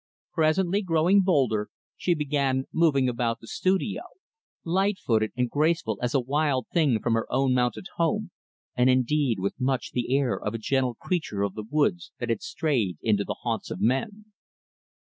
Presently, growing bolder, she began moving about the studio light footed and graceful as a wild thing from her own mountain home, and, indeed, with much the air of a gentle creature of the woods that had strayed into the haunts of men.